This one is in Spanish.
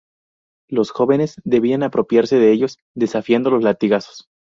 Los jóvenes debían apropiarse de ellos, desafiando los latigazos.